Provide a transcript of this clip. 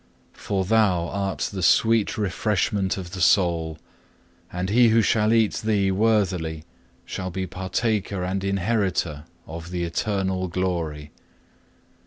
For Thou art the sweet refreshment of the soul, and he who shall eat Thee worthily shall be partaker and inheritor of the eternal glory.